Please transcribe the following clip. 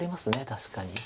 確かに。